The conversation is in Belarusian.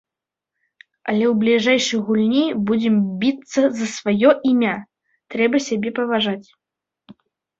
Але ў бліжэйшай гульні будзем біцца за сваё імя, трэба сябе паважаць.